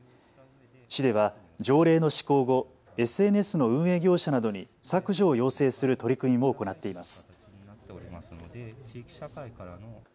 市では条例の施行後、ＳＮＳの運営業者などに削除を要請する取り組みも行っています。